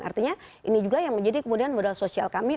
artinya ini juga yang menjadi kemudian modal sosial kami